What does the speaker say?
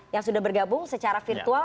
yang sudah bergabung secara virtual